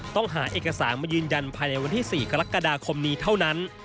ต้องหาเอกสารมายืนยันภายในวันที่๔กรกฎาคมนี้เท่านั้น